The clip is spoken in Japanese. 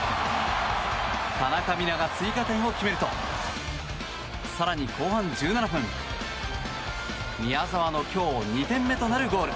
田中美南が追加点を決めると更に後半１７分宮澤の今日２点目となるゴール。